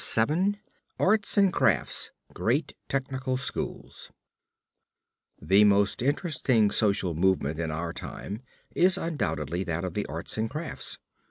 VII ARTS AND CRAFTS GREAT TECHNICAL SCHOOLS The most interesting social movement in our time is undoubtedly that of the arts and crafts.